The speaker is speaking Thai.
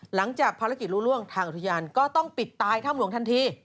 หลังจากภารกิจรู้ล่วงทางอุทยานก็ต้องปิดตายถ้ำหลวงทันที